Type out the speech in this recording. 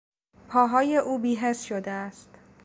پاهای او بیحس شده است.